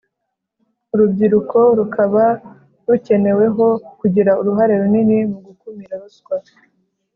Urubyirko rukaba rukeneweho kugira uruhare runini mu gukumira ruswa